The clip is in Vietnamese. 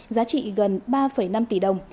giá trị gần ba năm tỷ đồng